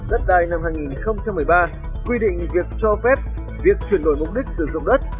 đất đai năm hai nghìn một mươi ba quy định việc cho phép việc chuyển đổi mục đích sử dụng đất